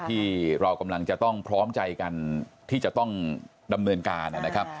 ที่เรากำลังจะต้องพร้อมใจกันที่จะต้องดำเนินการนะครับ